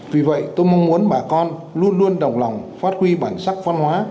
vì vậy tôi mong muốn bà con luôn luôn đồng lòng phát huy bản sắc văn hóa